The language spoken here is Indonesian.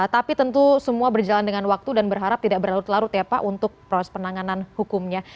tapi tentu semua berjalan dengan waktu dan berharap tidak berlarut larut ya pak untuk proses penanganan hukumnya